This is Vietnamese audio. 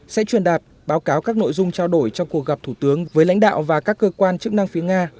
sẽ truyền đạt báo cáo các nội dung trao đổi trong cuộc gặp thủ tướng với lãnh đạo và các cơ quan chức năng phía nga